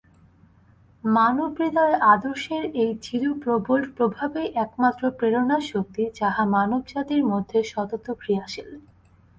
মানবহৃদয়ে আদর্শের এই চিরপ্রবল প্রভাবেই একমাত্র প্রেরণাশক্তি, যাহা মানবজাতির মধ্যে সতত ক্রিয়াশীল।